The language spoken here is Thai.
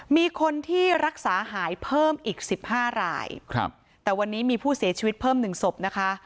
มีคนที่รักษาหายเพิ่มอีก๑๕รายแต่วันนี้มีผู้เสียชีวิตเพิ่ม๑ศพนะคะ